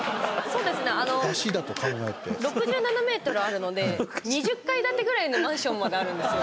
６７ｍあるので２０階建てくらいのマンションまであるんですよ。